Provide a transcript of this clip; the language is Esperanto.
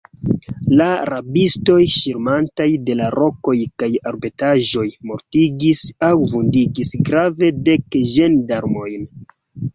La rabistoj, ŝirmataj de la rokoj kaj arbetaĵoj, mortigis aŭ vundigis grave dek ĝendarmojn.